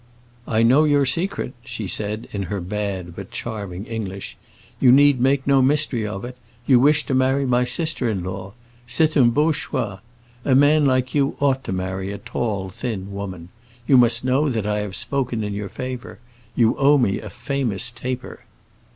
"I know your secret," she said, in her bad but charming English; "you need make no mystery of it. You wish to marry my sister in law. C'est un beau choix. A man like you ought to marry a tall, thin woman. You must know that I have spoken in your favor; you owe me a famous taper!"